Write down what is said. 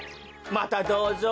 またどうぞ。